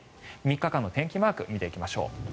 ３日間の天気マークを見ていきましょう。